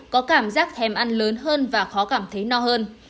có cảm giác thèm ăn lớn hơn và khó cảm thấy no hơn